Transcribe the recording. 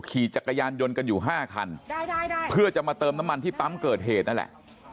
ขี่จักรยานยนต์กันอยู่๕คันเพื่อจะมาเติมน้ำมันที่ปั๊มเกิดเหตุนั่นแหละ